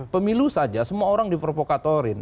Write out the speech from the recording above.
pemilu saja semua orang diprovokatorin